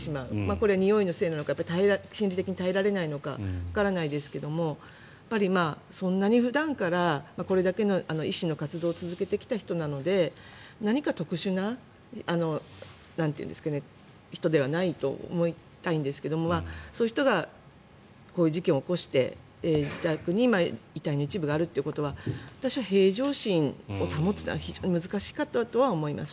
これはにおいのせいなのか心理的に耐えられないのかわからないですけどもそんなに普段からこれだけの医師の活動を続けてきた人なので何か特殊な人ではないと思いたいんですけどそういう人がこういう事件を起こして自宅に遺体の一部があるということは私は平常心を保つのは難しかっただろうなと思います。